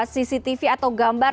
cctv atau gambar